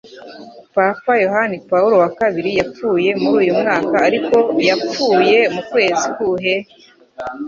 Papa Yohani Pawulo wa kabiri yapfuye muri uyu mwaka ariko yapfuye mu kwezi kuhe?